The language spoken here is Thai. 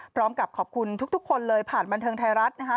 พร้อมกับขอบคุณทุกคนเลยผ่านบันเทิงไทยรัฐนะคะ